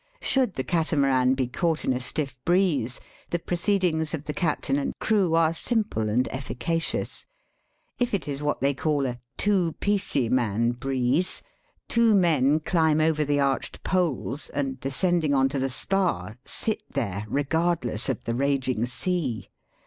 Should the catamaran be caught in a stiff breeze the proceedings of the captain and crew are simple and effica cious. K it is what they call a two piecey man breeze," two men climb over the arched poles and, descending on to the spar, sit there, regardless of the raging sea.